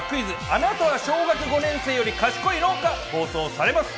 あなたは小学５年生より賢いの？』が放送されます。